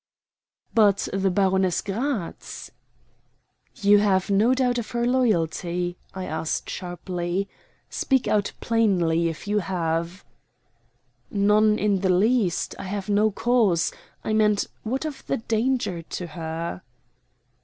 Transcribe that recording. "But the Baroness Gratz?" "You have no doubt of her loyalty?" I asked sharply. "Speak out plainly if you have." "None in the least. I have no cause. I meant, what of the danger to her?"